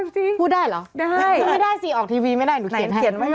พูดได้เดี๋ยวแม่ได้ยิน